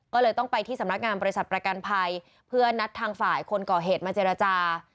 ก็เลยต้องไปที่สำนักงานบริษัทประกันภัยเพื่อนัดทางฝ่ายคนก่อเหตุมาเจรจา